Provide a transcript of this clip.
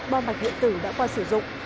bom bạch điện tử đã qua sử dụng